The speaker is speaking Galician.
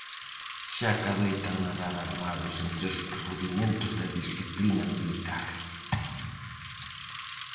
Xa que adoitan nadar armados entre os rudimentos da disciplina militar.